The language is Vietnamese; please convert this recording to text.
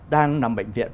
đang nằm bệnh viện